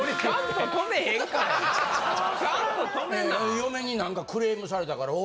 嫁になんかクレームされたから俺。